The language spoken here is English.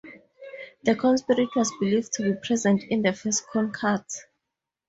The corn spirit was believed to be present in the first corn cut.